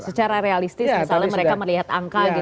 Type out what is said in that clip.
secara realistis misalnya mereka melihat angka gitu